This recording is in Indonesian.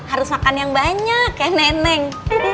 harus makan yang banyak ya neneng